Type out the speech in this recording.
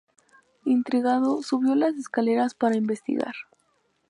Intrigado, subió las escaleras para investigar.